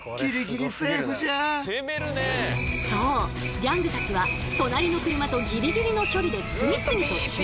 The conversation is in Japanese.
ギャングたちは隣の車とギリギリの距離で次々と駐車。